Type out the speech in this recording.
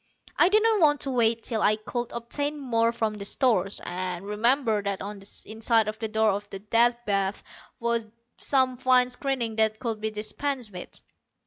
I didn't want to wait till I could obtain more from the stores, and remembered that on the inside of the door to the Death Bath there was some fine screening that could be dispensed with.